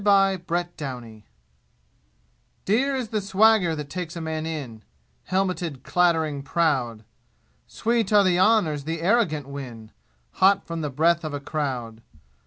Chapter VIII Dear is the swagger that takes a man in Helmeted, clattering, proud. Sweet are the honors the arrogant win, Hot from the breath of a crowd.